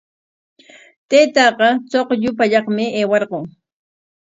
Taytaaqa chuqllu pallaqmi aywarqun.